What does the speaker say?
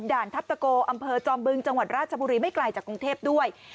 ทัพตะโกอำเภอจอมบึงจังหวัดราชบุรีไม่ไกลจากกรุงเทพด้วย